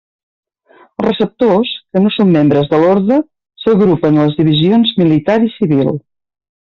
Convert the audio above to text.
Els receptors, que no són membres de l'orde, s'agrupen en les divisions militar i civil.